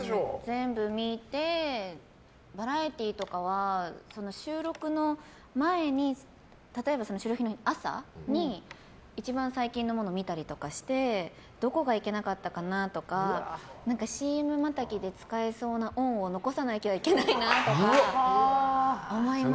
全部見て、バラエティーとかは収録の前に例えば収録の朝に一番最近のものを見たりとかしてどこがいけなかったかなとかＣＭまたぎで使えそうなオンを残さなきゃいけないなとか思いますね。